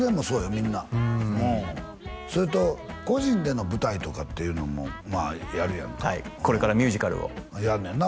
みんなそれと個人での舞台とかっていうのもまあやるやんかはいこれからミュージカルをやんねんな